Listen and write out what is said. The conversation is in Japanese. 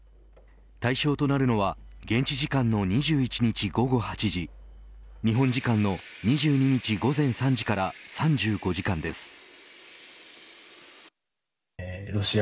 対象となるのは現地時間の２１日午後８時日本時間の２２日午前３時から３５時間です。